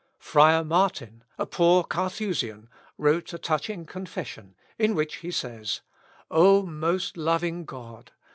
Friar Martin, a poor Carthusian, wrote a touching confession, in which he says, "O most loving God!